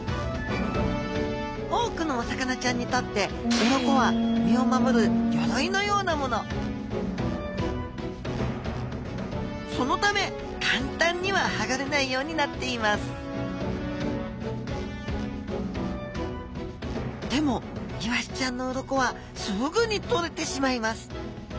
多くのお魚ちゃんにとって鱗は身を守る鎧のようなものそのため簡単にははがれないようになっていますでもイワシちゃんの鱗はすぐにとれてしまいます。